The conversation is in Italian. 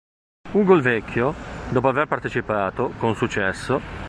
Ugo il Vecchio, dopo aver partecipato, con successo.